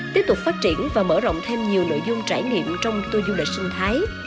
tiếp tục phát triển và mở rộng thêm nhiều nội dung trải nghiệm trong tour du lịch sinh thái